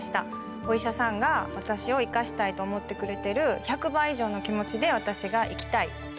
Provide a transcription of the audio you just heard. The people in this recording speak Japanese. お医者さんが私を生かしたいと思ってくれてる１００倍以上の気持ちで私が生きたいと思ってる。